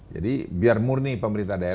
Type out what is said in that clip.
jadi biar murni pemerintah daerah